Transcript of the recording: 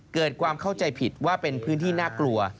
เกิดความเข้าใจผิดว่าเป็นพื้นที่น่ากลัว